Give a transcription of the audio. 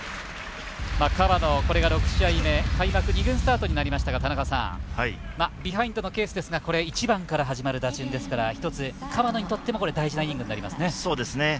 河野、これが６試合目開幕二軍スタートになりましたがビハインドのケースですが１番から始まる打順ですから一つ、河野にとっても大事なイニングになりますね。